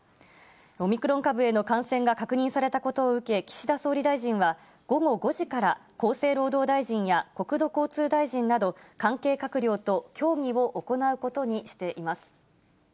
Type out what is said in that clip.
オミクロン株への感染が確認されたことを受け、岸田総理大臣は、午後５時から厚生労働大臣や国土交通大臣など関係閣僚と協議を行うことにしています。